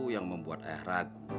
yang membuat ayah ragu